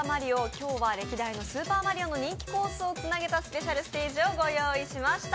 今日は歴代の「スーパーマリオ」の人気コースをつなげたスペシャルステージをご用意しました。